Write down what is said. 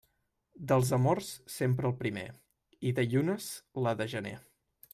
Dels amors, sempre el primer, i de llunes, la de gener.